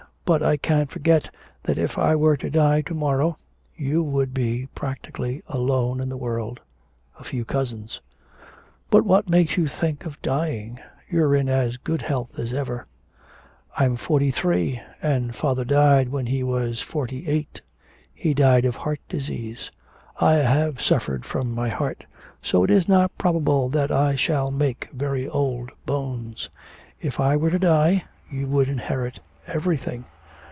But I can't forget that if I were to die to morrow you would be practically alone in the world a few cousins ' 'But what makes you think of dying? You're in as good health as ever.' 'I'm forty three, and father died when he was forty eight. He died of heart disease; I have suffered from my heart, so it is not probable that I shall make very old bones. If I were to die, you would inherit everything.